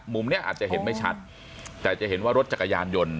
มุมเนี้ยอาจจะเห็นไม่ชัดแต่จะเห็นว่ารถจักรยานยนต์